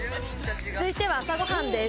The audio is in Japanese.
続いては朝ごはんです。